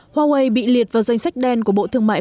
huawei bị liệt vào danh sách đen của bộ thương mại